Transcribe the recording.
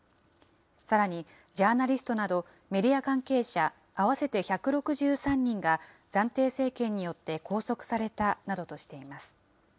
さらにジャーナリストなど、メディア関係者合わせて１６３人が、暫定政権によって拘束されたなどとしています。